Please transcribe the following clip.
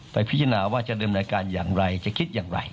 ไปพิจารณาว่าจะเริ่มหน้าการอย่างไรจะคิดอย่างไรนะครับ